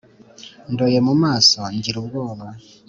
Ndoye mu maso ngira ubwoba :